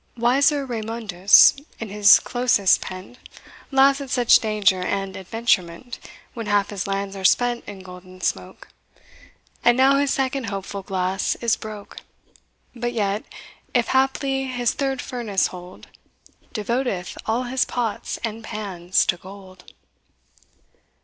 Wiser Raymondus, in his closet pent, Laughs at such danger and adventurement When half his lands are spent in golden smoke, And now his second hopeful glasse is broke, But yet, if haply his third furnace hold, Devoteth all his pots and pans to gold.